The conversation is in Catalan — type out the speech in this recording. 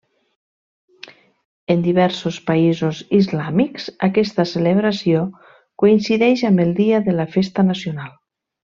En diversos països islàmics aquesta celebració coincideix amb el dia de la festa nacional.